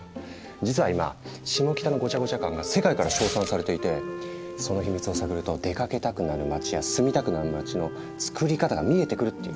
実は今シモキタのごちゃごちゃ感が世界から称賛されていてそのヒミツを探ると出かけたくなる街や住みたくなる街のつくり方が見えてくるっていう。